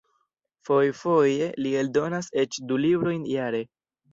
Fojfoje li eldonas eĉ du librojn jare.